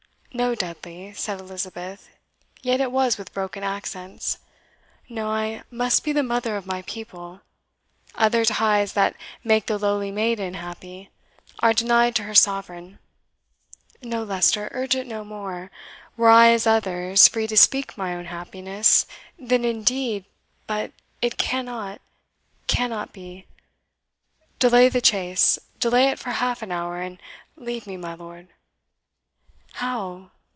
"No, Dudley," said Elizabeth, yet it was with broken accents "no, I must be the mother of my people. Other ties, that make the lowly maiden happy, are denied to her Sovereign. No, Leicester, urge it no more. Were I as others, free to seek my own happiness, then, indeed but it cannot cannot be. Delay the chase delay it for half an hour and leave me, my lord." "How!